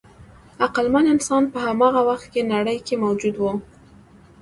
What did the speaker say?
عقلمن انسان په هماغه وخت کې نړۍ کې موجود و.